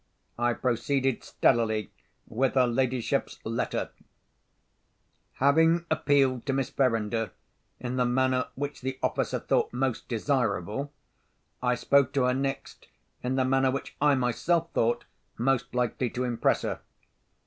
I proceeded steadily with her ladyship's letter: "Having appealed to Miss Verinder in the manner which the officer thought most desirable, I spoke to her next in the manner which I myself thought most likely to impress her.